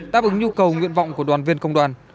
đáp ứng nhu cầu nguyện vọng của đoàn viên công đoàn